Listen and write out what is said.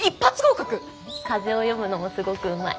風を読むのもすごくうまい。